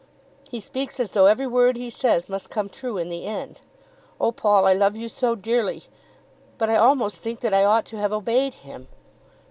He speaks as though every word he says must come true in the end. Oh, Paul, I love you so dearly, but I almost think that I ought to have obeyed him."